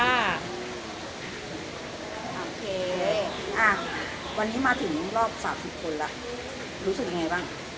อ่าวันนี้มาถึงรอบสามสิบคนแล้วรู้สึกยังไงบ้าง